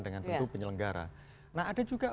dengan tentu penyelenggara nah ada juga